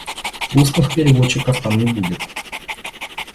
Устных переводчиков там не будет.